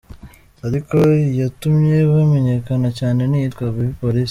Ariko iyatumye bamenyekana cyane ni iyitwa "Baby Police".